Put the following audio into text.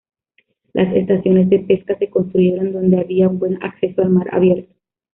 Las estaciones de pesca se construyeron donde había un buen acceso al mar abierto.